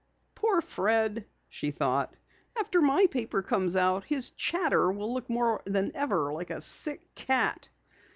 "Poor Fred," she thought. "After my paper comes out his Chatter will look more than ever like a sick cat."